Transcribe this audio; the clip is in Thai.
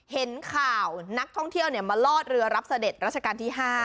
เห็นข่าวนักท่องเที่ยวมาลอดเรือรับเสด็จราชการที่๕